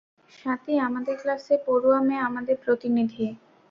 স্বাতী, আমাদের ক্লাসের পড়ুয়া মেয়ে আমাদের প্রতিনিধি।